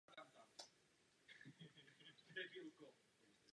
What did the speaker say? Uspět v tomto ohledu bude výzvou pro Evropu.